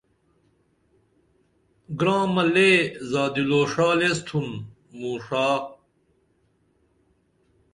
گرامہ لے زادی لوݜال ایس تُھن موں ݜا